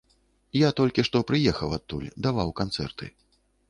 Я толькі што прыехаў адтуль, даваў канцэрты.